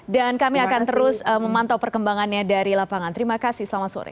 kami akan terus memantau perkembangannya dari lapangan terima kasih selamat sore